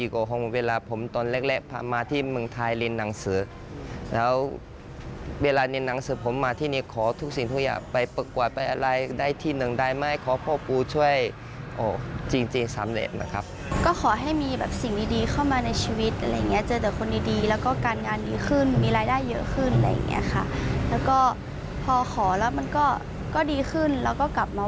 ก็ดีขึ้นก็กลับมาไหว้มันดีขึ้นจริง